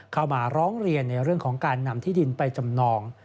เข้ามาร้องเรียนในเรื่องของการนำที่ดินไปจำนอง